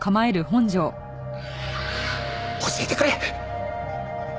教えてくれ！